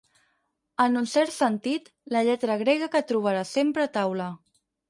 En un cert sentit, la lletra grega que trobaràs sempre a taula.